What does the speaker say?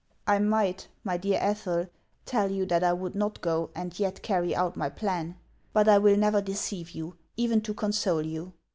" I might, my dear Ethel, tell you that I would not go, and yet carry out my plan ; but I will never deceive you, even to console you.